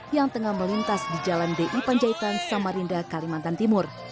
yang tengah melintas di jalan di panjaitan samarinda kalimantan timur